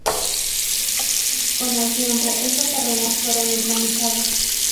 Con el tiempo estos terrenos fueron urbanizados.